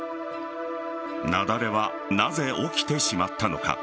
雪崩は、なぜ起きてしまったのか。